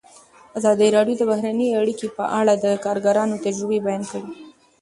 ازادي راډیو د بهرنۍ اړیکې په اړه د کارګرانو تجربې بیان کړي.